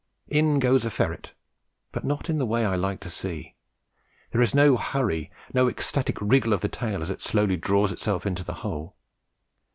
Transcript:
In goes a ferret, but not in the way I like to see. There is no hurry, no ecstatic wriggle of the tail as it slowly draws itself into the hole.